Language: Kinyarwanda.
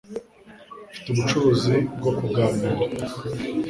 Mfite ubucuruzi bwo kuganira